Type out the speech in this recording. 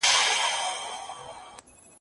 نه يوه ورځ پاچهي سي اوږدېدلاى